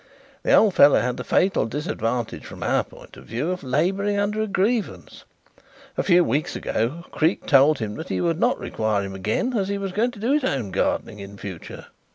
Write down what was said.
The old fellow had the fatal disadvantage from our point of view of labouring under a grievance. A few weeks ago Creake told him that he would not require him again as he was going to do his own gardening in future."